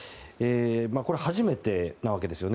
これは初めてなわけですね。